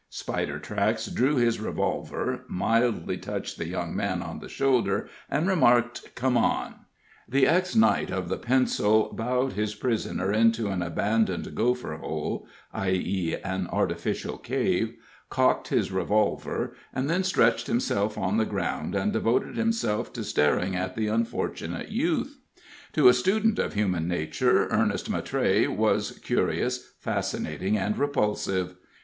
Spidertracks drew his revolver, mildly touched the young man on the shoulder, and remarked: "Come on." The ex knight of the pencil bowed his prisoner into an abandoned gopher hole (i.e., an artificial cave,) cocked his revolver, and then stretched himself on the ground and devoted himself to staring at the unfortunate youth. To a student of human nature Ernest Mattray was curious, fascinating, and repulsive.